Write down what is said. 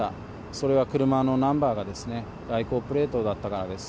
それは車のナンバーが外交プレートだったからです。